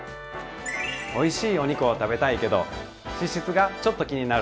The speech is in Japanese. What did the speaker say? おいしいお肉を食べたいけど脂質がちょっと気になる。